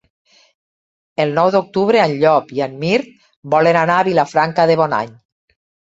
El nou d'octubre en Llop i en Mirt volen anar a Vilafranca de Bonany.